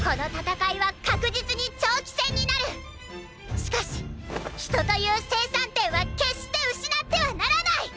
しかし人という“生産点”は決して失ってはならない！